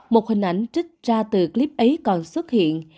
một hình ảnh trích ra từ clip ấy còn xuất hiện